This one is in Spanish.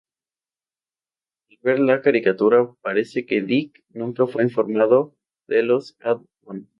Al ver la caricatura, parece que DiC nunca fue informado de los add-on.